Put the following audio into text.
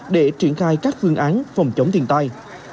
để triển khai các phương án phòng chống thiên tai